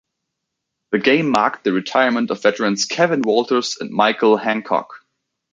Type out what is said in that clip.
The game marked the retirement of veterans Kevin Walters and Michael Hancock.